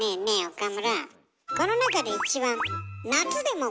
岡村。